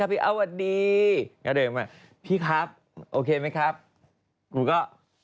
ครับพี่เอ้าสวัสดีการเดินมาพี่ครับโอเคมั้ยครับหนูก็